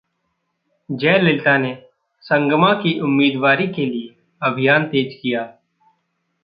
जयललिता ने संगमा की उम्मीदवारी के लिए अभियान तेज किया